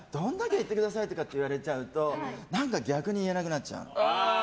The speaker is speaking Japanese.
言ってくださいって言われちゃうと逆に言えなくなっちゃうの。